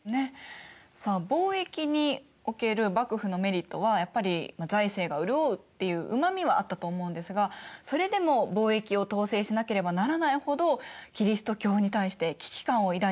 さあ貿易における幕府のメリットはやっぱり財政が潤うっていううまみはあったと思うんですがそれでも貿易を統制しなければならないほどキリスト教に対して危機感を抱いてたっていうことなんでしょうか？